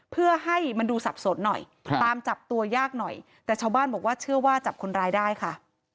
เพื่อให้มันดูสับสนหน่อยตามจับตัวยากหน่อยแต่ชาวบ้านบอกว่าเชื่อว่าจับคนร้ายได้ค่ะ